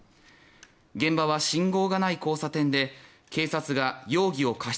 現場は信号がない交差点で警察が容疑を過失